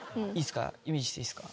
イメージしていいっすか？